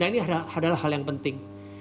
ini adalah hal yang penting